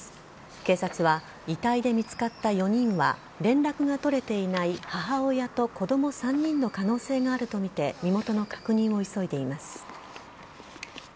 警察は遺体で見つかった４人は、連絡が取れていない母親と子ども３人の可能性があると見て、身元の確認を急いでいます。